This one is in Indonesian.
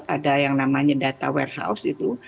ada yang namanya data warehouse itu